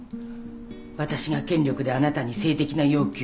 私が権力であなたに性的な要求。